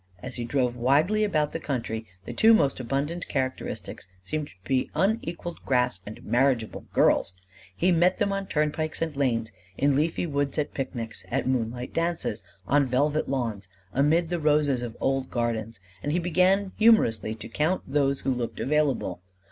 As he drove widely about the country, the two most abundant characteristics seemed to be unequalled grass and marriageable girls. He met them on turnpikes and lanes in leafy woods at picnics at moonlight dances on velvet lawns amid the roses of old gardens and he began humorously to count those who looked available.